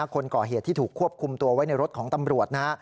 คนก่อเหตุที่ถูกควบคุมตัวไว้ในรถของตำรวจนะฮะ